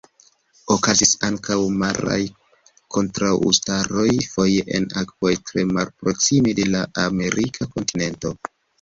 Okazis ankaŭ maraj kontraŭstaroj, foje en akvoj tre malproksime de la amerika kontinento.